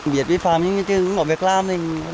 việc vi phạm nhưng cũng có việc làm